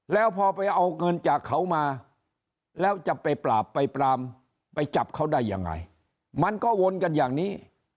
แล้วพอไปเอาเงินจากเขามาแล้วจะไปปราบไปปรามไปจับเขาได้ยังไงมันก็วนกันอย่างนี้